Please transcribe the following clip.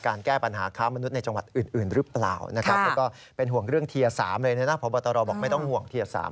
พระบาทราบอกไม่ต้องห่วงเทียร์๓